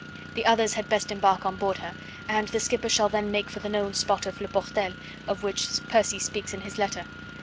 The others had best embark on board her, and the skipper shall then make for the known spot of Le Portel, of which Percy speaks in his letter.